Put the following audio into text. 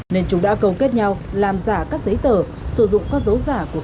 nên chúng đã cầu kết nhau làm giả các giấy tờ sử dụng con dấu giả của các ngân hàng